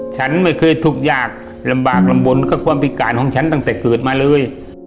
ฉันไม่เคยทุกอย่างลำบากลำบลกับความพิการของฉันตั้งแต่เกิดมาเลย